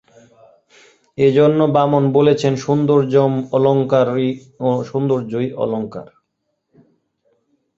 এজন্য বামন বলেছেন: সৌন্দর্যম্ অলঙ্কারঃ সৌন্দর্যই অলঙ্কার।